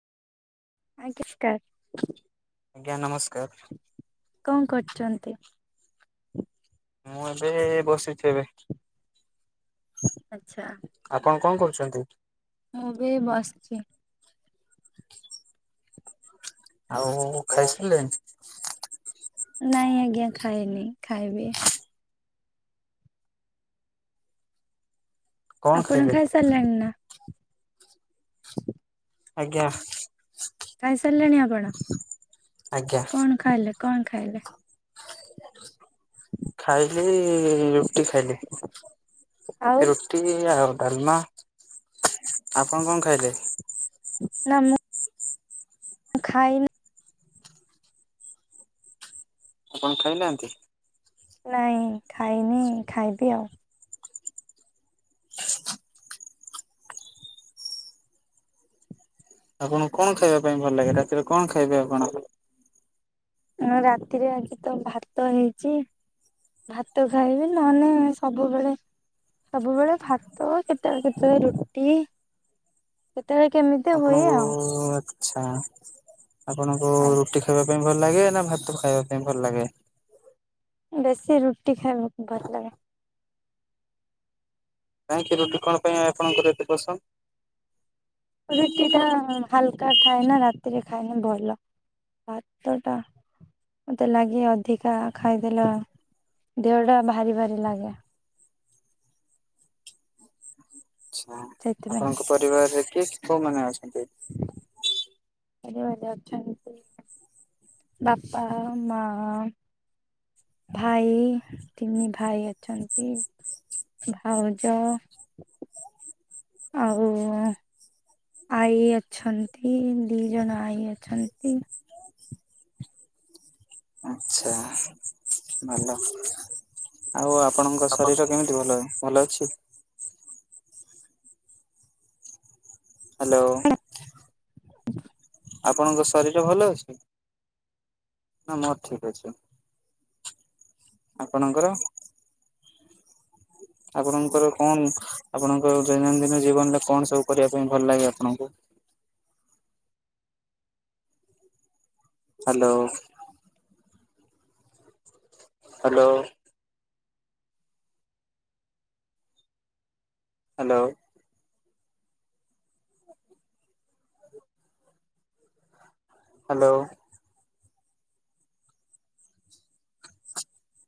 ଆଜ୍ଞା ସ୍କାର ଆଜ୍ଞା ନମସ୍କାର କଣ କରୁଛନ୍ତି? ମୁଁ, ଏବେ ବସିଛି ଏବେ। ଆଚ୍ଛା। ଆପଣ କଣ କରୁଚନ୍ତି? ମୁଁ ବି ବସିଚି। ଆଉ ଖାଇସାରିଲେଣି? ନାଇଁ ଆଜ୍ଞା, ଖାଇନି ଖାଇବି। କଣ ଆପଣ ଖାଇବେ? ଖାଇ ସାରିଲାଣି ନା। ଆଜ୍ଞା। ଖାଇସାରିଲେଣି ଆପଣ? ଆଜ୍ଞା। କଣ ଖାଇଲେ, କଣ ଖାଇଲେ? ଖାଇଲି, ରୁଟି ଖାଇଲି। ଆଉ ରୁଟ ରୁଟି ଆଉ, ଡାଲମା। ଆପଣ କଣ ଖାଇଲେ? ନା, ମ ଖାଇନି। ଆପଣ ଖାଇନାହାନ୍ତି? ନାଇଁ ଖାଇନି, ଖାଇବି ଆଉ। ଆପଣଙ୍କୁ, କଣ ଖାଇବା ପାଇଁ ଭଲ ଲାଗେ? ରାତିରେ କଣ ଖାଇବେ ଆପଣ? ନା, ରାତିରେ ଆଜି ତ ଭାତ ହେଇଚି। ଭାତ ଖାଇବି, ନହେଲେ ସବୁବେଳେ ସବୁବେଳେ ଭାତ, କେତେଳେ, କେତେଳେ ରୁଟି। କେତେ ବେଳେ କେମିତି ହୁଏ ଆଉ। ହଁ। ଆଛା। ଆପଣଙ୍କୁ ରୁଟି ଖାଇବା ପାଇଁ ଭଲ ଲାଗେ ନା ଭାତ ଖାଇବା ପାଇଁ ଭଲ ଲାଗେ? ବେଶୀ ରୁଟି ଖାଇବା କୁ ଭଲ ଲାଗେ। କାହିଁକି ରୁଟି କଣ ପାଇଁ ଆପଣଙ୍କର ଏତେ ପସନ୍ଦ? ରୁଟି ଟା ହାଲକା ଥାଏ ନା,, ରାତିରେ ଖାଇଁଲେ ଭଲ। ଭାତ ଟା ମୋତେ ଲାଗେ ଅଧିକା ଖାଇଦେଲେ ଦେହଟା ଭାରି ଭାରି ଲାଗେ। ଆଛା ସେଥିପାଇଁ ଆପଣଙ୍କ ପରିବାରରେ କିଏ କୋଉମାନୋ ଅଛନ୍ତି? ପରି ବରରେ ଆଚନ୍ତି, ବାପା, ମା ଭାଇ, ତିନି ଭାଇ ଅଛନ୍ତି, ଭାଉଜ ଆଉ [inaudible] ଆଈ ଅଛନ୍ତି, ଦି ଜଣ ଆଈ ଅଛନ୍ତି ଆଚ୍ଛା। ଭଲ। ଆଉ ଆପଣଙ୍କ ଶରୀର କେମିତି ଭଲ ଭଲ ଅଛି? ହାଲୋ। [inaudible] ଆପଣଙ୍କ ଶରୀର ଭଲ ଅଛି? ନା ମୋର ଠିକ୍ ଅଛି। ଆପଣଙ୍କର? ଆପଣଙ୍କର କଣ? ଆପଣଙ୍କ ଦୈନଦିନ ଜୀବନରେ କଣ ସବୁ କରିବା ପାଇଁ ଭଲ ଲାଗେ ଆପଣଙ୍କୁ? ହାଲୋ। ହାଲୋ। ହାଲୋ। ହ [inaudible] ହାଲୋ।